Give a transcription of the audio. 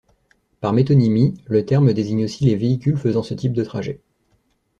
Par métonymie, le terme désigne aussi les véhicules faisant ce type de trajets.